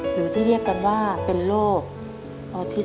หรือที่เรียกกันว่าเป็นโรคออทิสติ